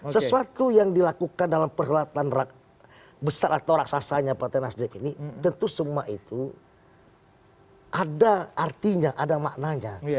sesuatu yang dilakukan dalam perkhidmatan besar atau raksasanya partai nasdem ini tentu semua itu ada artinya ada maknanya